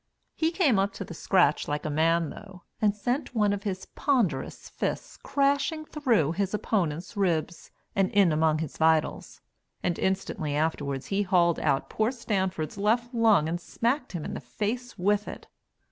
He came up to the scratch like a man, though, and sent one of his ponderous fists crashing through his opponent's ribs and in among his vitals, and instantly afterward he hauled out poor Stanford's left lung and smacked him in the face with it.